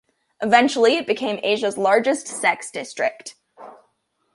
Eventually it became Asia's largest sex district.